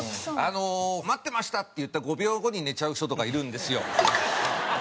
「待ってました」って言った５秒後に寝ちゃう人とかいるんですよ。